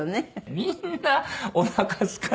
みんなおなかすかせて。